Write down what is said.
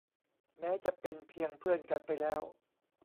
แม้จะเป็นเพียงเพื่อนกันไปแล้ว